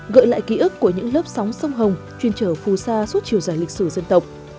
gợi lại ký ức của những lớp sóng sông hồng chuyên trở phù sa suốt chiều dài lịch sử dân tộc